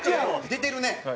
出てるね。